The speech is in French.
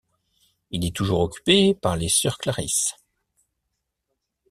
Il est toujours occupé par les sœurs clarisses.